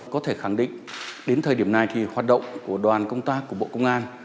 có thể khẳng định đến thời điểm này thì hoạt động của đoàn công tác của bộ công an